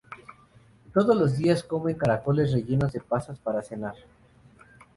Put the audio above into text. Todos los días comen caracoles rellenos de pasas para cenar.